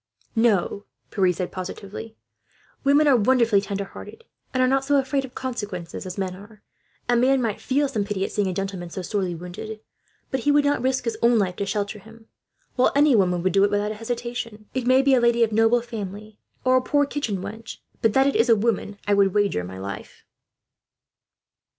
"No," Pierre said positively. "Women are wonderfully tender hearted, and are not so afraid of consequences as men are. A man might feel some pity, at seeing a gentleman so sorely wounded, but he would not risk his own life to shelter him; while any woman would do it, without hesitation. It may be a lady of noble family, or a poor kitchen wench, but that it is a woman I would wager my life."